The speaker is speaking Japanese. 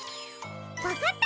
わかった！